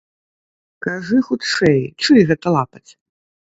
Кажы хутчэй, чый гэта лапаць?